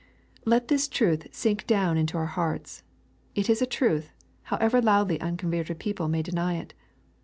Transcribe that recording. Let this truth sink down into our hearts. It is a truth, however loudly unconverted people may deny it.